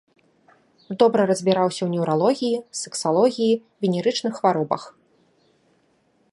Добра разбіраўся ў неўралогіі, сексалогіі, венерычных хваробах.